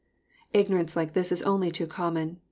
Ignorance like this is only too common.